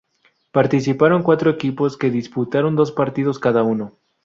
Participaron cuatro equipos, que disputaron dos partidos cada uno.